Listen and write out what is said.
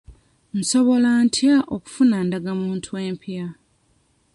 Nsobola ntya okufuna ndagamuntu empya?